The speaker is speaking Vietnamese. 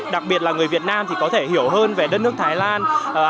đặc biệt là người việt nam thì có thể hiểu hơn về đất nước thái lan